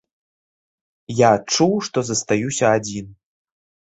Я адчуў, што застаюся адзін.